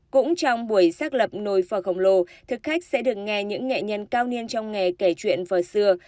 cũng trong buổi xác lập nồi phở khổng lồ thực khách sẽ được nghe những nghệ nhân cao niên trong nghề kể chuyện phở xưa